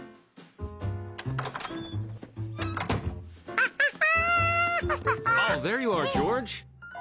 アハハ。